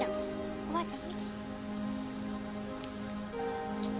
おばあちゃん！